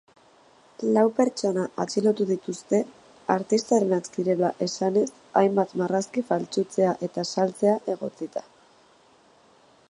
Lau pertsona atxilotu dituzte artistarenak zirela esanez hainbat marrazki faltsutzea eta saltzea egotzita.